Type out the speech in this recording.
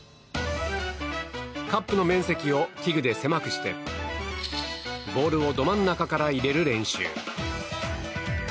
カップの面積を器具で狭くしてボールをど真ん中から入れる練習。